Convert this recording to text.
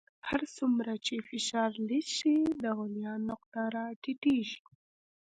هر څومره چې فشار لږ شي د غلیان نقطه را ټیټیږي.